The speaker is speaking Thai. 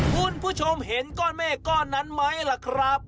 คุณผู้ชมเห็นก้อนเมฆก้อนนั้นไหมล่ะครับ